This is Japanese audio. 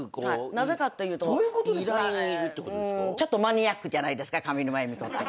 なぜかっていうとちょっとマニアックじゃないですか上沼恵美子って。